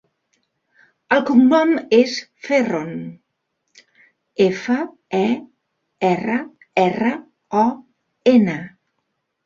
El cognom és Ferron: efa, e, erra, erra, o, ena.